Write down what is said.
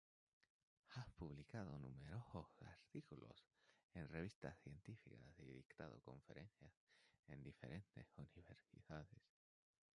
Ha publicado numerosos artículos en revistas científicas y dictado conferencias en diferentes universidades.